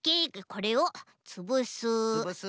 これをつぶす。